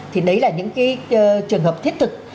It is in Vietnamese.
thì đấy là những trường hợp thiết thực